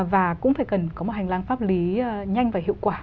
và cũng phải cần có một hành lang pháp lý nhanh và hiệu quả